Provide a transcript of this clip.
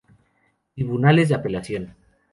Tribunales de apelación.